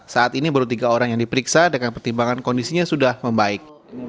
saat ini baru tiga orang yang diperiksa dengan pertimbangan kondisinya sudah membaik